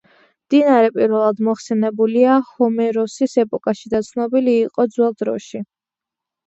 მდინარე პირველად მოხსენებულია ჰომეროსის ეპოქაში და ცნობილი იყო ძველ დროში.